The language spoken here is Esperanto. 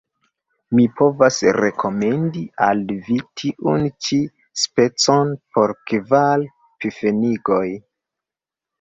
Mi povas rekomendi al vi tiun ĉi specon por kvar pfenigoj.